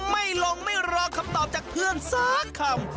ไม่ลงไม่รอคำตอบจากเพื่อนสักคำ